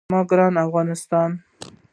زما ګران افغانستان.